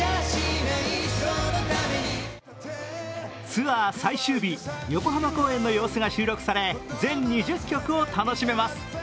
ツアー最終日、横浜公演の様子が収録され、全２０曲を楽しめます。